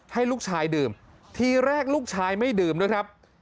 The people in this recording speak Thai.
ให้ลูกชายดื่มทีแรกลูกชายไม่ดื่มด้วยครับ